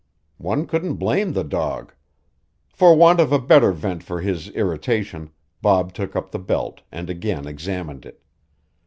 One couldn't blame the dog! For want of a better vent for his irritation, Bob took up the belt and again examined it.